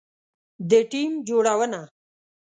د ټیم جوړونه